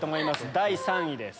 第３位です。